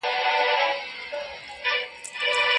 عامه اړيکې په سياست کي ولي ډېرې مهمې دي؟